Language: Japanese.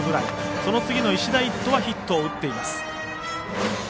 その次の石田一斗はヒットを打っています。